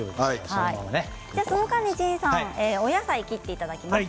その間にお野菜を切っていただきます。